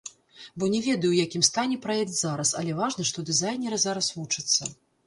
Бо не ведаю, у якім стане праект зараз, але важна, што дызайнеры зараз вучацца.